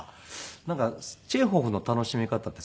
なんかチェーホフの楽しみ方って